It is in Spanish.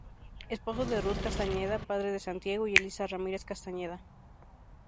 Esposo de Ruth Castañeda, padre de Santiago y Elisa Ramírez Castañeda.